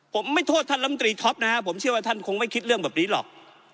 ผมไม่โทษท่านลำตรีท็อปนะฮะผมเชื่อว่าท่านคงไม่คิดเรื่องแบบนี้หรอก